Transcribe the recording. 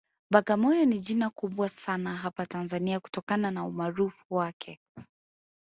Bagamoyo ni jina kubwa sana hapa Tanzania kutokana na umaarufu wake